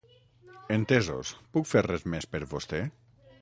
Entesos, puc fer res més per vostè?